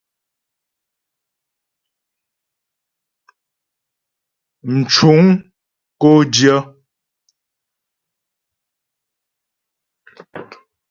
Mcuŋ kó dyə̂.